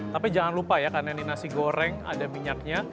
tapi jangan lupa ya karena ini nasi goreng ada minyaknya